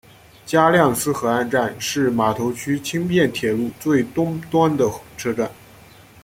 加量斯河岸站是码头区轻便铁路最东端的车站。